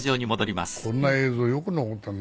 こんな映像よく残ってんな。